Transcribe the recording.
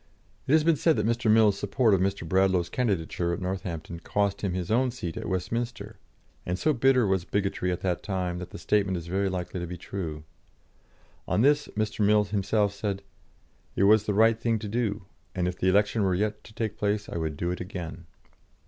It has been said that Mr. Mill's support of Mr. Bradlaugh's candidature at Northampton cost him his own seat at Westminster, and so bitter was bigotry at that time that the statement is very likely to be true. On this, Mr. Mill himself said: "It was the right thing to do, and if the election were yet to take place, I would do it again."